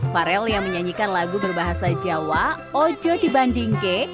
farel yang menyanyikan lagu berbahasa jawa ojo dibandingke